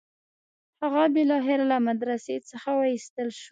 هغه بالاخره له مدرسې څخه وایستل شو.